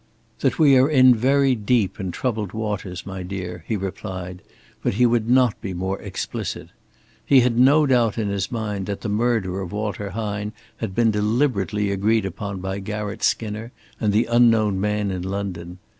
"That we are in very deep and troubled waters, my dear," he replied, but he would not be more explicit. He had no doubt in his mind that the murder of Walter Hine had been deliberately agreed upon by Garratt Skinner and the unknown man in London.